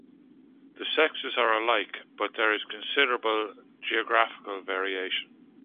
The sexes are alike, but there is considerable geographical variation.